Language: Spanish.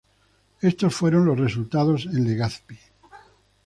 Estos fueron los resultados en Legazpi.